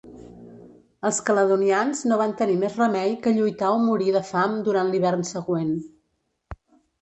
Els caledonians no van tenir més remei que lluitar o morir de fam durant l'hivern següent.